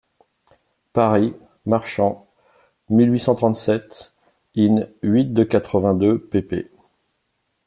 Paris, Marchant, mille huit cent trente-sept, in-huit de quatre-vingt-deux pp.